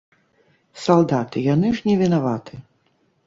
Салдаты, яны ж невінаваты.